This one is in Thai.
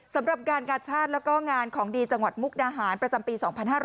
สำหรับการกาชาติแล้วก็งานของดีจังหวัดมุกดาหารประจำปี๒๕๕๙